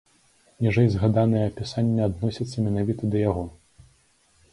Ніжэйзгаданае апісанне адносіцца менавіта да яго.